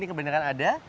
ini kebenaran ada